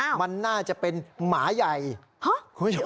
อ้าวมันน่าจะเป็นหมาใหญ่ห๊ะ